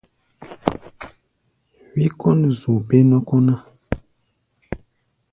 Wí kɔ́n zu bé-nɔ́kɔ́ ná.